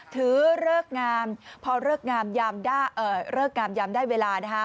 ถือเริกงามพอเริกงามยามได้เวลา